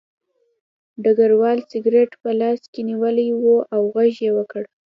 ډګروال سګرټ په لاس کې نیولی و او غږ یې وکړ